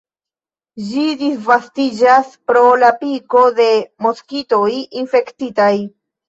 Ĝi disvastiĝas pro la piko de moskitoj infektitaj.